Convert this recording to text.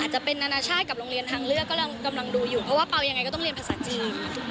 จะเป็นนานาชาติกับโรงเรียนทางเลือกกำลังดูอยู่เพราะว่าเปล่ายังไงก็ต้องเรียนภาษาจีน